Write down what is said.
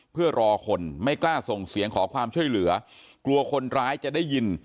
เพื่อรอคนไม่กล้าส่งเสียงขอความช่วยเหลือกลัวคนร้ายจะได้ยิน